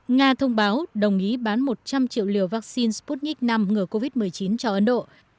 nga thông báo đồng ý bán một trăm linh triệu liều vaccine sputnik v ngừa covid một mươi chín cho ấn độ